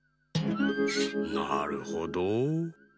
なるほど。